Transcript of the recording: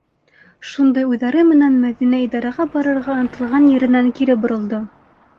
Шундай уйҙары менән Мәҙинә идараға барырға ынтылған еренән кире боролдо.